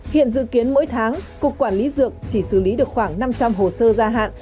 hiện dự kiến mỗi tháng cục quản lý dược chỉ xử lý được khoảng năm trăm linh hồ sơ gia hạn